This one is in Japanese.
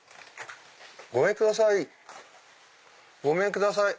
ごめんください！